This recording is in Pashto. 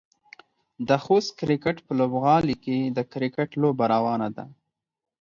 د خوست کرکټ په لوبغالي کې د کرکټ لوبه روانه ده.